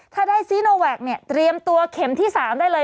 ถ้าได้ซีโนแวคเนี่ยเตรียมตัวเข็มที่๓ได้เลย